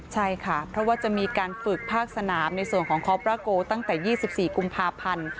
ใช่ค่ะเพราะว่าจะมีการฝึกภาคสนามในส่วนของคอปราโกตั้งแต่๒๔กุมภาพันธ์